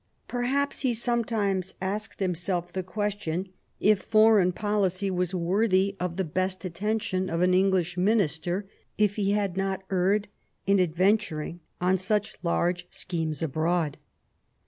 Perhaps he sometimes asked himself the question, if foreign policy was worthy of the best attention of an English minister, if he had not erred in adventuring on such large schemes abroad.